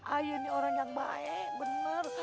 ayo ini orang yang baik benar